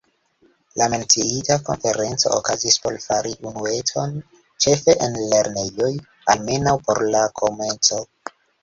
La menciita konferenco okazis por fari unuecon ĉefe en lernejoj, almenaŭ por la komenco.